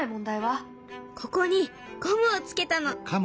ここにゴムを付けたの。